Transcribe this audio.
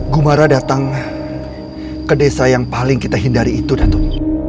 gumara datang ke desa yang paling kita hindari itu datang